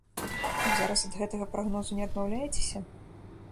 Вы зараз ад гэтага прагнозу не адмаўляецеся?